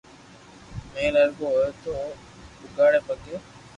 مھل ارگو ھوئي تو او اوگاڙي پگي